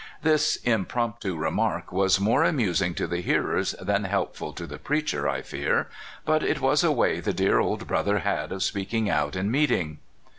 This impromptu remark was more amusing to the hearers than helpful to the preacher, I fear; but it was a way the dear old brother had of speak ing out in meeting.